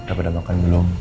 abie udah makan belum